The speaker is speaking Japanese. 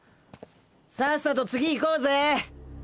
さっさと次行こうぜ。